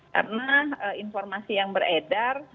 karena informasi yang beredar